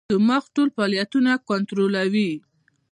دماغ ټول فعالیتونه کنټرولوي.